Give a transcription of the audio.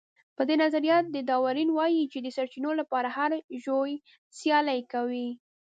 په دې نظريه کې داروېن وايي چې د سرچينو لپاره هر ژوی سيالي کوي.